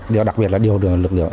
điều đặc biệt là điều hồi lực lượng